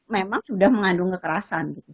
memang sudah mengandung kekerasan